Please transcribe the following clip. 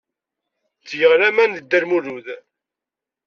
Ttgeɣ laman deg Dda Lmulud.